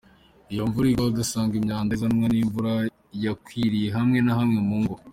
Iyo imvura igwa usanga imyanda izanwa n'imvura yakwiriye hamwe na hamwe mu ngo.